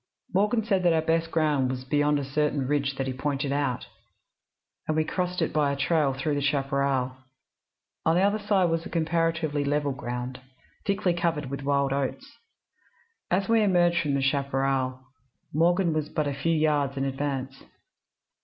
Morgan said that our best ground was beyond a certain ridge that he pointed out, and we crossed it by a trail through the chaparral. On the other side was comparatively level ground, thickly covered with wild oats. As we emerged from the chaparral, Morgan was but a few yards in advance.